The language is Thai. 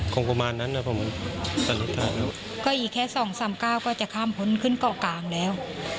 คงประมาณนั้นแล้วผมสรุปถ่ายแล้วก็อีกแค่๒๓ก้าวก็จะข้ามพ้นขึ้นเกาะกลางแล้ว